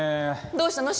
どうしたの？